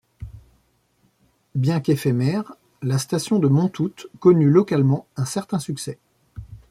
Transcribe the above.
Bien qu'éphémère, la station de Montoute connut localement un certain succès.